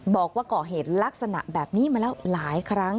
บอกว่าก่อเหตุลักษณะแบบนี้มาแล้วหลายครั้ง